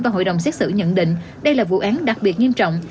và hội đồng xét xử nhận định đây là vụ án đặc biệt nghiêm trọng